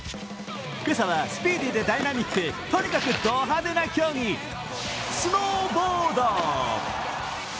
今朝はスピーディーでダイナミック、とにかくド派手な競技、スノーボード。